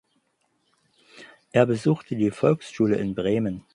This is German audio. Er besuchte die Volksschule in Bremen.